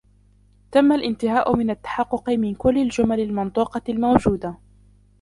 تم الانتهاء من التحقق من كل الجمل المنطوقة الموجودة.